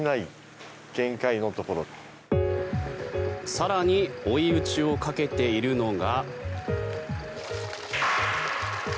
更に追い打ちをかけているのが。